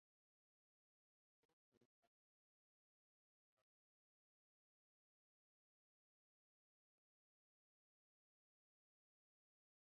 পিকে সেই চারজন খেলোয়াড়দের অন্যতম যারা টানা দুই মৌসুমে চ্যাম্পিয়নস লীগ শিরোপা জিতেছেন, দুইটি আলাদা দলের হয়ে।